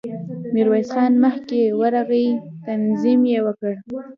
ميرويس خان مخکې ورغی، تعظيم يې وکړ.